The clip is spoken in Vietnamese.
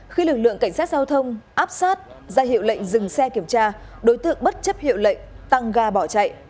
khi lực lượng cảnh sát giao thông áp sát ra hiệu lệnh dừng xe kiểm tra đối tượng bất chấp hiệu lệnh tăng ga bỏ chạy